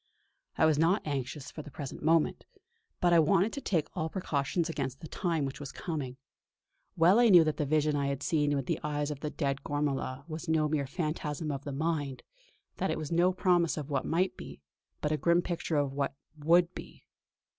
I was not anxious for the present moment; but I wanted to take all precautions against the time which was coming. Well I knew that the vision I had seen with the eyes of the dead Gormala was no mere phantasm of the mind; that it was no promise of what might be, but a grim picture of what would be.